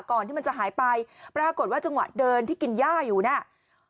ที่มันจะหายไปปรากฏว่าจังหวะเดินที่กินย่าอยู่น่ะ